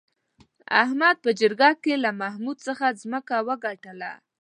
احمد په جرگه کې له محمود څخه ځمکه وگټله